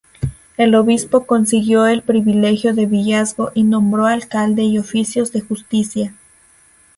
El Obispo consiguió el privilegio de villazgo y nombró alcalde y oficios de justicia.